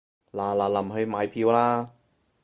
嗱嗱臨去買票啦